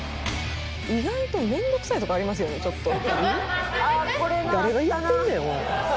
意外と面倒くさいところありますよねちょっと。